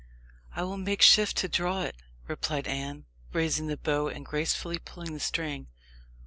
"I will make shift to draw it," replied Anne, raising the bow, and gracefully pulling the string.